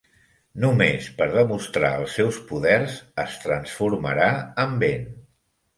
Només per demostrar els seus poders, es transformarà en vent.